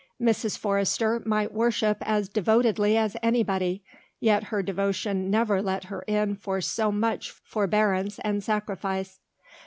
Mrs. Forrester might worship as devoutly as anybody, yet her devotion never let her in for so much forbearance and sacrifice.